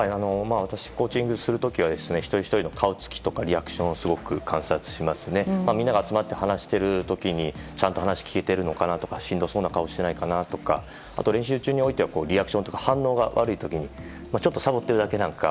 私はコーチングするとき一人ひとりの顔つきやリアクションを観察してみんなが話しているときちゃんと話を聞けているのかしんどそうな顔をしていないかとかあと練習中においてはリアクションとか反応が悪い時にちょっとさぼっているのか